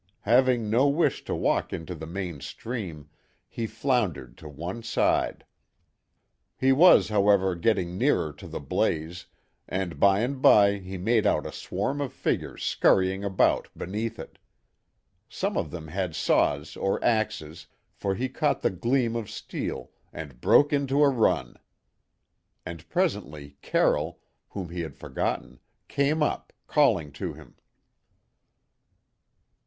Having no wish to walk into the main stream, he floundered to one side. He was, however, getting nearer to the blaze, and by and by he made out a swarm of figures scurrying about beneath it. Some of them had saws or axes, for he caught the gleam of steel, and broke into a run; and presently Carroll, whom he had forgotten, came up, calling to him.